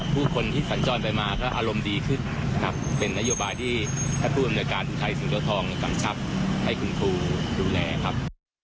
ผู้คนที่สัญจรไปมาก็อารมณ์ดีขึ้นครับเป็นนโยบายที่ท่านผู้อำนวยการอุทัยศรีเจ้าทองกำชับให้คุณครูดูแลครับ